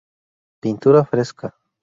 Pintura Fresca.